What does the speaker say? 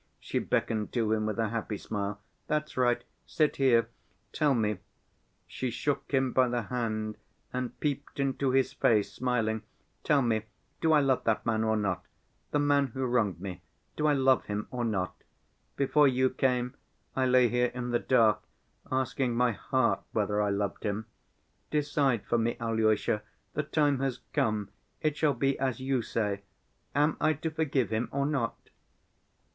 She beckoned to him with a happy smile. "That's right, sit here. Tell me," she shook him by the hand and peeped into his face, smiling, "tell me, do I love that man or not? the man who wronged me, do I love him or not? Before you came, I lay here in the dark, asking my heart whether I loved him. Decide for me, Alyosha, the time has come, it shall be as you say. Am I to forgive him or not?"